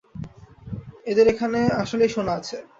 এদের এখানে আসলেই সোনা আছে।